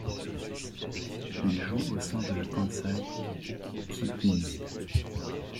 Il joue au sein de la Kansai Ki-in.